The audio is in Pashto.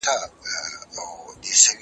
ځینې منفي نظر لري.